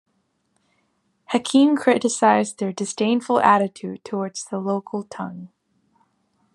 Hakim criticized their disdainful attitude towards the local tongue.